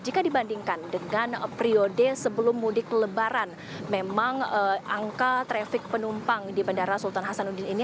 jika dibandingkan dengan periode sebelum mudik lebaran memang angka trafik penumpang di bandara sultan hasanuddin ini